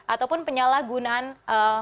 ataupun penyalahgunaan penyelaiwan